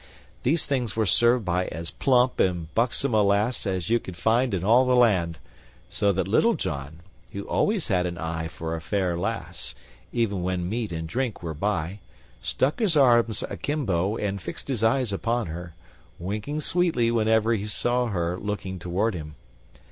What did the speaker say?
These things were served by as plump and buxom a lass as you could find in all the land, so that Little John, who always had an eye for a fair lass, even when meat and drink were by, stuck his arms akimbo and fixed his eyes upon her, winking sweetly whenever he saw her looking toward him.